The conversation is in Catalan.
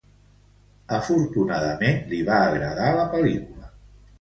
Afortunadament, li va agradar la pel·lícula.